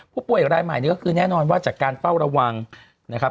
ผู้ป่วยรายใหม่นี่ก็คือแน่นอนว่าจากการเฝ้าระวังนะครับ